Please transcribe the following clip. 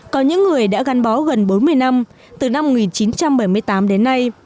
có những người đã gắn bó gần bốn mươi năm từ năm một nghìn chín trăm bảy mươi tám đến nay